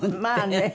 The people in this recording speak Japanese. まあね。